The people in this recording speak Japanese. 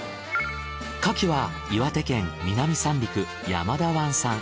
牡蠣は岩手県南三陸山田湾産。